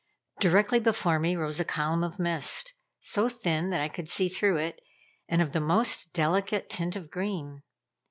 Directly before me rose a column of mist, so thin that I could see through it, and of the most delicate tint of green.